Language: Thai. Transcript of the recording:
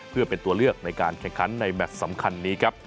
เพื่อเป็นตัวเลือกในการแข่งขันในแมทสำคัญนี้ครับ